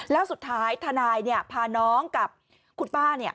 แล้วสุดท้ายทนายเนี่ยพาน้องกับคุณป้าเนี่ย